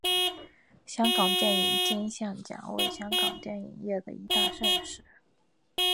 香港电影金像奖为香港电影业的一大盛事。